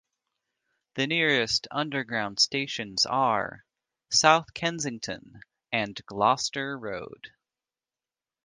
The nearest underground stations are: South Kensington and Gloucester Road.